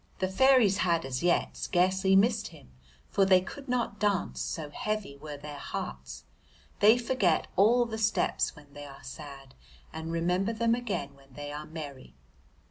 The fairies had as yet scarcely missed him, for they could not dance, so heavy were their hearts. They forget all the steps when they are sad and remember them again when they are merry.